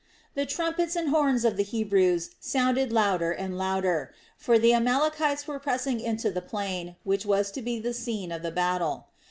The trumpets and horns of the Hebrews sounded louder and louder; for the Amalekites were pressing into the plain which was to be the scene of the battle.